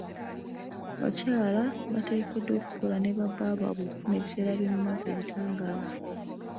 Abakyala bateekeddwa okukola ne ba bbaabwe okufuna ebiseere byomumaaso ebitangaavu.